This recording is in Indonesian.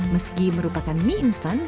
meski merupakan mie instan